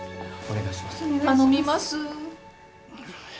頼みます。